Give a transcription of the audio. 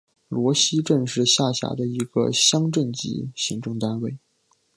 罗溪镇是下辖的一个乡镇级行政单位。